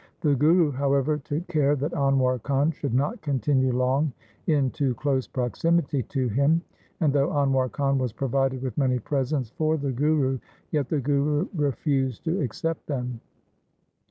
The Guru, however, took care that Anwar Khan should not continue long in too close proximity to him. And though Anwar Khan was provided with many presents for the Guru, yet the Guru refused to accept them.